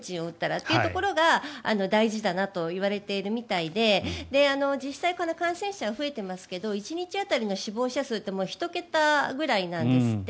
そういうところが大事だなといわれているみたいで実際、感染者は増えていますけど１日当たりの死亡者数って１桁ぐらいなんですって。